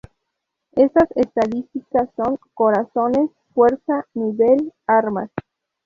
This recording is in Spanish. Estas estadísticas son: Corazones, Fuerza, Nivel, Armas.